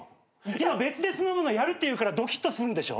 今別で酢の物やるって言うからドキっとすんでしょ？